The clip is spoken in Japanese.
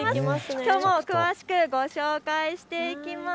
きょうも詳しくご紹介していきます。